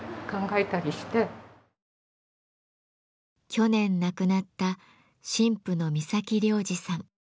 去年亡くなった神父の三崎良次さん。